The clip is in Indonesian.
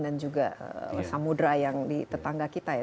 dan juga samudera yang di tetangga kita ya